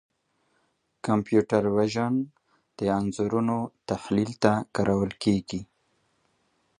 کمپیوټر وژن د انځورونو تحلیل ته کارول کېږي.